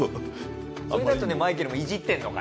それだとねマイケルもイジってんのか！